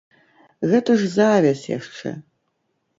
Гэта ж завязь яшчэ.